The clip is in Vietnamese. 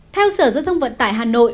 theo sở giao thông vận tải hà nội